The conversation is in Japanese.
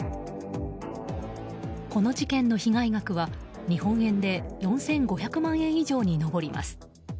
この事件の被害額は日本円で４５００万円以上に上ります。